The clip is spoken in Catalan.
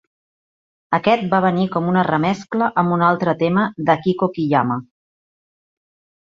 Aquest va venir com una remescla amb un altre tema d'Akiko Kiyama.